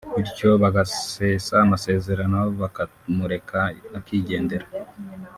bityo bagasesa amasezerano bakamureka akigendera